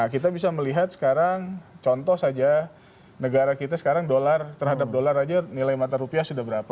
kita bisa melihat sekarang contoh saja negara kita sekarang terhadap dolar aja nilai mata rupiah sudah berapa